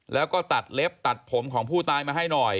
แล้วก็ตัดเล็บตัดผมของผู้ตายมาให้หน่อย